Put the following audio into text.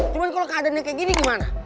cuma kalau keadaannya kayak gini gimana